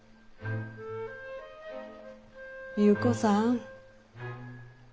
優子さん。